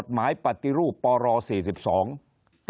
คนในวงการสื่อ๓๐องค์กร